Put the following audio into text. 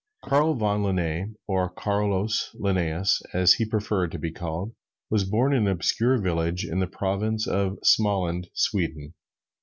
Carl von Linne, or Carolus Linnæus as he preferred to be called, was born in an obscure village in the Province of Smaland, Sweden.